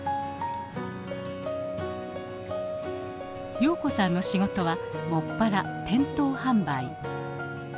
陽子さんの仕事は専ら店頭販売。